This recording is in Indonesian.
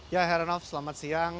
ya heranov selamat siang